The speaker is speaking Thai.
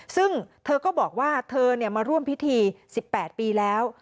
ซึ่งเธอก็บอกว่าเธอมาร่วมพิธี๑๘ปีแล้ว